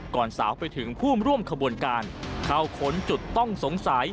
สาวไปถึงผู้ร่วมขบวนการเข้าค้นจุดต้องสงสัย